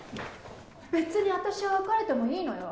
べつに私は別れてもいいのよ。